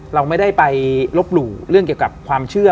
เราไม่ได้ไปลบหลู่เรื่องเกี่ยวกับความเชื่อ